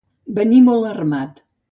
Venir molt armat.